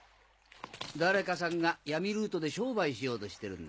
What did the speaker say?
誰かさんが闇ルートで商売しようとしてるんだ。